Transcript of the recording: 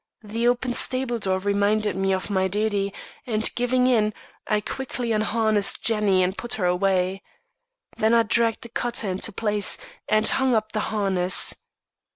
The open stable door reminded me of my duty, and driving in, I quickly unharnessed Jenny and put her away. Then I dragged the cutter into place, and hung up the harness.